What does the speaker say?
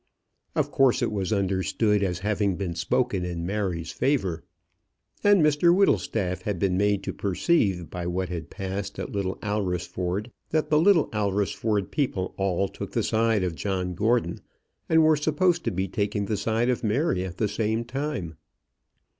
Of course it was understood as having been spoken in Mary's favour. And Mr Whittlestaff had been made to perceive by what had passed at Little Alresford that the Little Alresford people all took the side of John Gordon, and were supposed to be taking the side of Mary at the same time.